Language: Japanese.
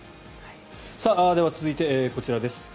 では、続いてこちらです。